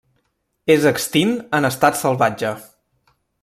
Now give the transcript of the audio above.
És extint en estat salvatge.